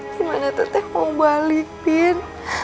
gimana tete mau balik bin